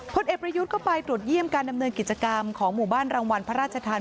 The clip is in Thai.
พลเอกประยุทธ์ก็ไปตรวจเยี่ยมการดำเนินกิจกรรมของหมู่บ้านรางวัลพระราชทาน